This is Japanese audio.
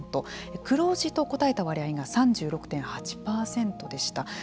黒字と答えた割合が３６．８％でした。